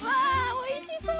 おいしそう！